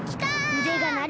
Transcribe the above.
うでがなる！